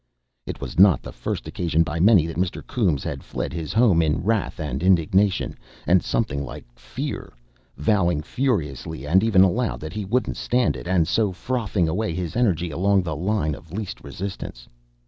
It was not the first occasion by many that Mr. Coombes had fled his home in wrath and indignation, and something like fear, vowing furiously and even aloud that he wouldn't stand it, and so frothing away his energy along the line of least resistance.